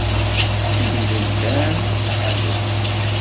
Yemdel Dan taḥanut.